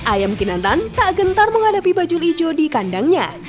ayam kinantan tak gentar menghadapi bajul ijo di kandangnya